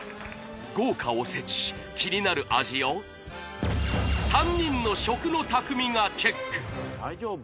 豪華おせちキニナル味を３人の食の匠がチェック